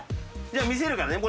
じゃあ見せるからね。